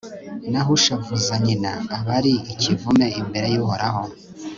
naho ushavuza nyina aba ari ikivume imbere y'uhoraho